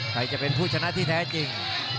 ใครจะเป็นผู้ชนะที่แท้จริง